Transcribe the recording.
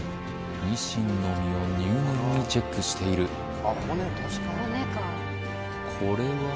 にしんの身を入念にチェックしているこれは？